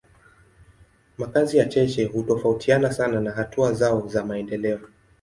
Makazi ya cheche hutofautiana sana na hatua zao za maendeleo.